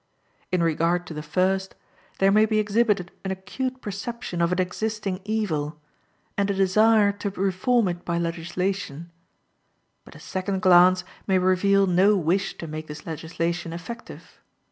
In regard to the first, there may be exhibited an acute perception of an existing evil, and a desire to reform it by legislation; but a second glance may reveal no wish to make this legislation effective.